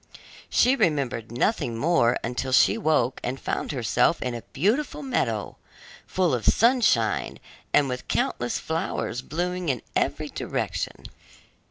She remembered nothing more until she awoke and found herself in a beautiful meadow, full of sunshine, and with countless flowers blooming in every direction.